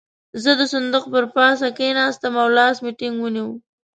زه د صندوق پر پاسه کېناستم او لاس مې ټينګ ونيو.